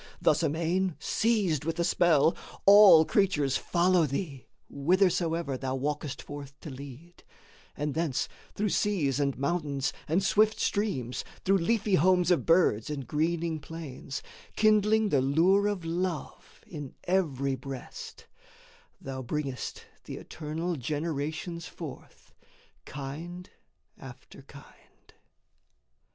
Thus amain, Seized with the spell, all creatures follow thee Whithersoever thou walkest forth to lead, And thence through seas and mountains and swift streams, Through leafy homes of birds and greening plains, Kindling the lure of love in every breast, Thou bringest the eternal generations forth, Kind after kind.